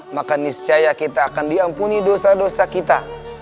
maka niscaya kita akan diampuni dosa dosa kita